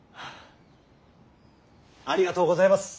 ありがとうございます。